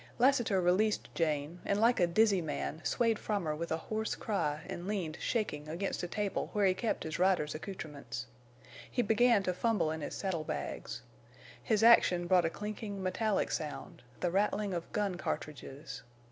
Lassiter released Jane and like a dizzy man swayed from her with a hoarse cry and leaned shaking against a table where he kept his rider's accoutrements. He began to fumble in his saddlebags. His action brought a clinking, metallic sound—the rattling of gun cartridges.